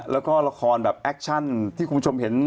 แล้วก็ละครแบบแอคชั่นที่คุณผู้ชมเห็น